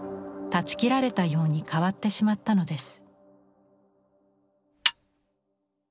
断ち切られたように変わってしまったのです。